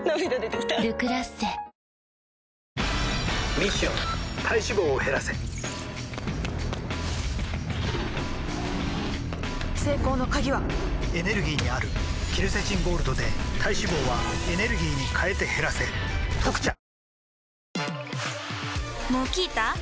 ミッション体脂肪を減らせ成功の鍵はエネルギーにあるケルセチンゴールドで体脂肪はエネルギーに変えて減らせ「特茶」あれ？